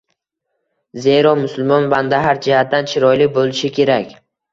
Zero, musulmon banda har jihatdan chiroyli bo‘lishi kerak.